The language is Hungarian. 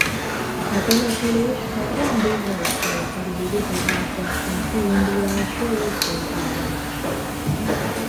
A település a Vendée Globe föld körüli vitorlásverseny kiindulási- és végállomása.